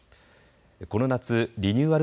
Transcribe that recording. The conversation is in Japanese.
この夏リニューアル